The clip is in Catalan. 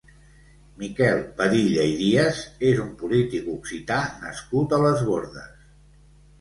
Miquel Padilla i Díaz és un polític occità nascut a Les Bordes.